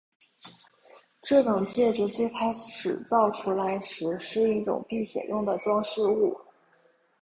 这种戒指最开始造出来时是一种辟邪用的装饰物。